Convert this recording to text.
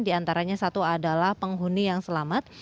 diantaranya satu adalah penghuni yang selamat